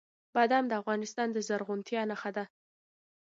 بادام د افغانستان د زرغونتیا نښه ده.